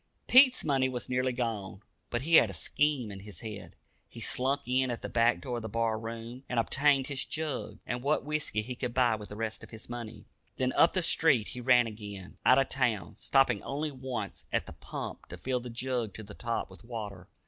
Pete's money was nearly gone, but he had a scheme in his head. He slunk in at the back door of the bar room, and obtained his jug, and what whiskey he could buy with the rest of his money. Then up the street he ran again, out of town, stopping only once at the pump to fill the jug to the top with water.